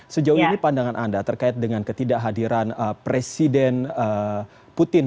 sejauh ini pandangan anda terkait dengan ketidakhadiran presiden putin